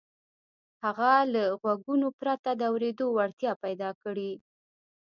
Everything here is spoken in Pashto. هغه له غوږونو پرته د اورېدو وړتيا پيدا کړي.